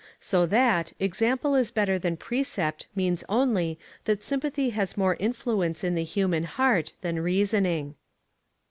So that, example is better than precept means only that sympathy has more influence in the human heart than reasoning.